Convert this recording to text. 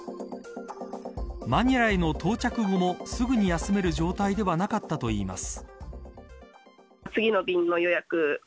マニラへの到着後もすぐに休める状態ではなかったといいます。